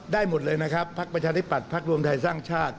ได้หมดเลยนะครับพักประชาธิปัตยพักรวมไทยสร้างชาติ